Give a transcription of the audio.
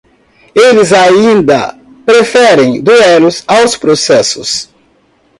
Eles ainda preferem duelos aos processos.